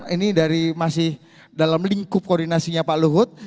ini dari masih dalam lingkup koordinasinya pak luhut